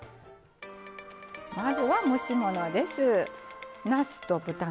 まずは蒸し物です。